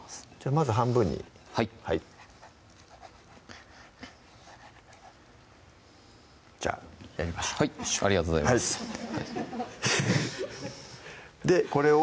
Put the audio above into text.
まず半分にはいじゃあやりましょうはいありがとうございますでこれを？